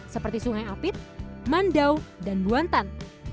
seperti sungai apit mandau dan buantan